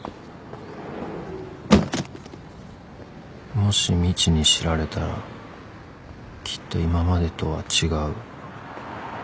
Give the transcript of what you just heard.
もしみちに知られたらきっと今までとは違う